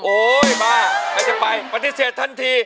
โอ้ยม่าจะไปปฏิเสธทันที